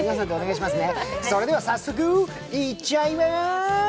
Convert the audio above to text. それでは早速行っちゃいま